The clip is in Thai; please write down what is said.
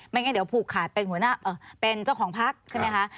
ไม่งั้นเดี๋ยวผูกขาดเป็นเจ้าของภักดิ์คือไหมคะ